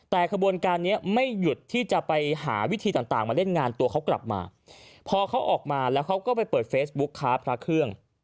แต่ขบวนการนี้ไม่หยุดที่จะไปหาวิธีต่างมาเล่นงานตัวเขากลับมาพอเขาออกมาแล้วเขาก็ไปเปิดเฟซบุ๊คค้าพระเครื่อง